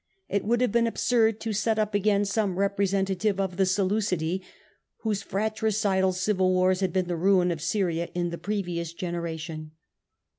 It would have been absurd to set up again some representative of the Seleu cidse, whose fratricidal civil wars had been the ruin of Syria in the previous generation.